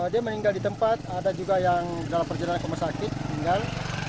dia meninggal di tempat ada juga yang dalam perjalanan ke rumah sakit tinggal